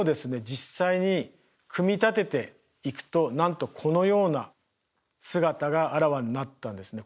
実際に組み立てていくとなんとこのような姿があらわになったんですね。